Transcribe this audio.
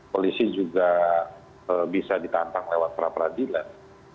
polisi juga bisa ditantang lewat perapradilan